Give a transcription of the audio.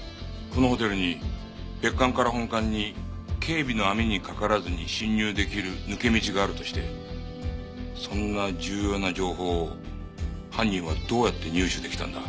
このホテルに別館から本館に警備の網にかからずに侵入できる抜け道があるとしてそんな重要な情報を犯人はどうやって入手できたんだ？